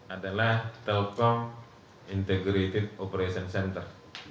adalah telkom integrated operation center